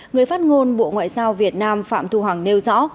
người phát ngôn bộ ngoại giao việt nam phạm thu hằng nêu rõ